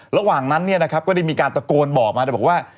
ระหว่างนั้นก็ได้มีการตะโกนบอกมาแต่บอกว่า